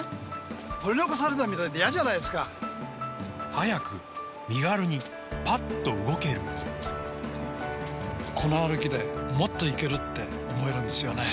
早く身軽にパッと動けるこの歩きでもっといける！って思えるんですよね